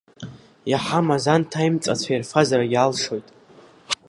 Иҳамаз анҭ аимҵәацәа ирфазаргьы алшоит…